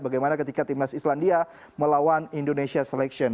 bagaimana ketika timnas islandia melawan indonesia selection